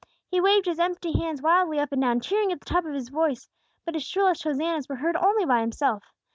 He waved his empty hands wildly up and down, cheering at the top of his voice; but his shrillest Hosannahs were heard only by himself.